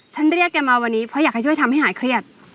เรียกแกมาวันนี้เพราะอยากให้ช่วยทำให้หายเครียด